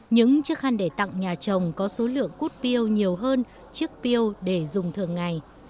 những chiếc khăn để tặng nhà chồng có số lượng cút pô nhiều hơn chiếc piêu để dùng thường ngày